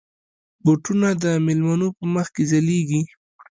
بوټونه د مېلمنو په مخ کې ځلېږي.